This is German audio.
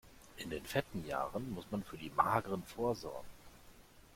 In den fetten Jahren muss man für die mageren vorsorgen.